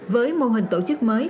với mô hình tổ chức mới